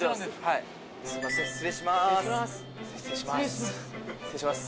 すいません失礼します。